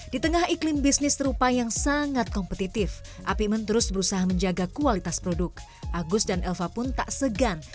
di tengah iklim bisnis terupa yang sangat kompetitif apikmen terus berusaha menjaga kualitas produk agus dan elva pun tak segan